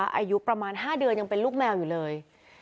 อายุประมาณ๕เดือนยังเป็นลูกแมวอยู่เลย